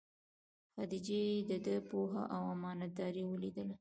خدیجې دده پوهه او امانت داري ولیده.